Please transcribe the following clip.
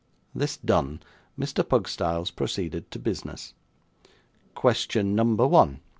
This done, Mr. Pugstyles proceeded to business. 'Question number one.